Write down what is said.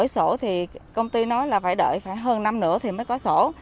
sổ thì công ty nói là phải đợi hơn năm nữa thì mới có sổ